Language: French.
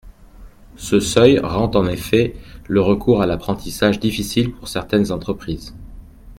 Ce seuil rend en effet le recours à l’apprentissage difficile pour certaines entreprises.